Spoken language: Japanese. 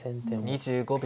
２５秒。